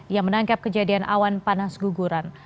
yang menangkap kejadian awan panas guguran